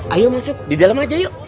ayo masuk di dalam aja yuk